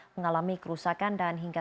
mengalami kerusakan dan hingga